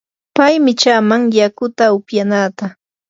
pay michaaman yakuta upyanaata.